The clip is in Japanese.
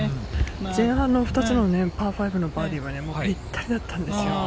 前半の２つのパー５のバーディーはぴったりだったんですよ。